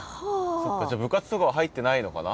じゃあ部活とかは入ってないのかな？